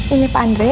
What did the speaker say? ini pak andre